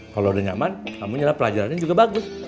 kamu nyerap pelajarannya juga bagus